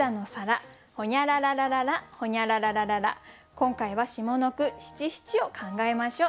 今回は下の句七七を考えましょう。